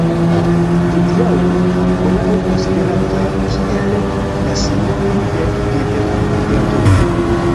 Hodiaŭ ankoraŭ konsiderata kiel la simbolo de vjetnama literaturo.